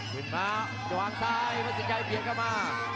ขึ้นมาจะวางซ้ายวัสิชัยเปลี่ยนเข้ามา